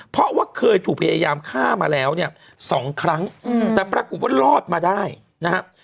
เพราะว่าเคยถูกพยายามฆ่ามาแล้วเนี่ยสองครั้งแต่ปรากฏว่ารอดมาได้นะครับ